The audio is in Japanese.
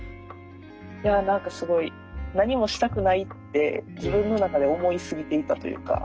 いや何かすごい何もしたくないって自分の中で思いすぎていたというか。